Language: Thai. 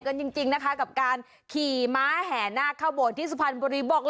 กันจริงนะคะกับการขี่ม้าแห่หน้าข้าวโบดที่สุภัณฑ์บริบอกเลย